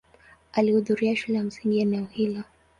Alihudhuria shule ya msingi eneo hilo.